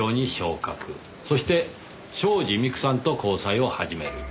そして東海林美久さんと交際を始める。